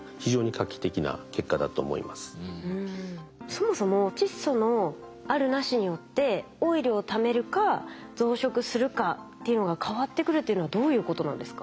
そもそも窒素のあるなしによってオイルをためるか増殖するかっていうのが変わってくるっていうのはどういうことなんですか？